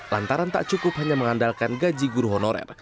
lantaran tak cukup hanya mengandalkan gaji guru honorer